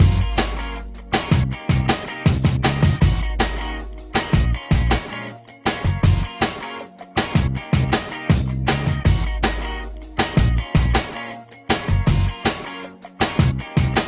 ใช่ค่ะไปเลยค่ะ